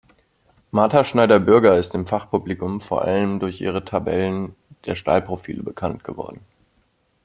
Martha Schneider-Bürger ist dem Fachpublikum vor allem durch ihre Tabellen der Stahlprofile bekannt geworden.